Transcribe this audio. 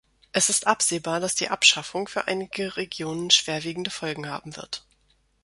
Es ist absehbar, dass die Abschaffung für einige Regionen schwerwiegende Folgen haben wird.